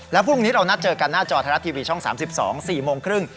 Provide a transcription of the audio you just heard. และพรุ่งนี้เรานัดเจอกันหน้าจอไทยรัฐทีวีช่อง๓๒๔โมงครึ่ง